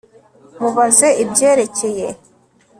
Mubaze ibyerekeye